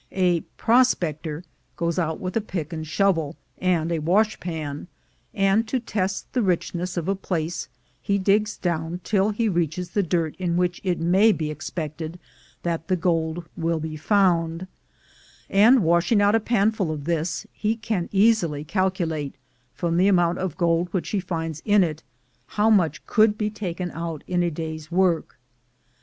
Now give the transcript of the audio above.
, A "prospector" goes out with a pick and shovel, and a wash pan; and to test the richness of a place he digs down till he reaches the dirt in which it may be expected that the gold will be found ; and washing out a panful of this, he can easily calculate, from the amount of gold which he finds in it, how much could LOOKING FOR GOLD 127 be taken out in a day's work.